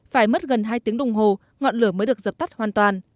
phải mất gần hai tiếng đồng hồ ngọn lửa mới được dập tắt hoàn toàn